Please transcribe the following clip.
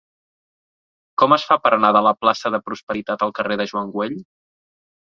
Com es fa per anar de la plaça de Prosperitat al carrer de Joan Güell?